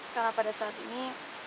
karena pada saat ini